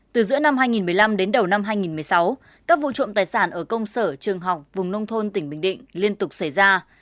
từ giữa năm hai nghìn một mươi năm đến đầu năm hai nghìn một mươi sáu các vụ trộm tài sản ở công sở trường học vùng nông thôn tỉnh bình định liên tục xảy ra